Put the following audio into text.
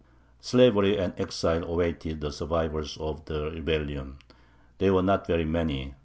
Slavery and exile awaited the survivors of the rebellion. They were not very many.